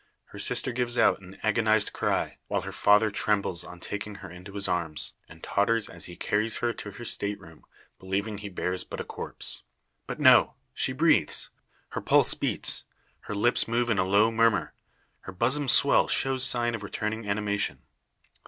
Her sister gives out an agonised cry; while her father trembles on taking her into his arms, and totters as he carries her to her state room believing he bears but a corpse! But no! She breathes; her pulse beats; her lips move in low murmur; her bosom's swell shows sign of returning animation.